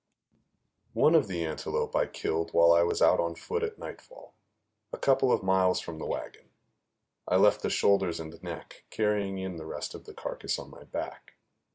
One of the antelope I killed while I was out on foot at nightfall, a couple of miles from the wagon; I left the shoulders and neck, carrying in the rest of the carcass on my back.